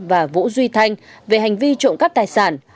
và vũ duy thanh về hành vi trộm cắp tài sản